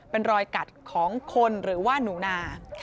เป็นรอยกัดของคนหรือว่าหนูนา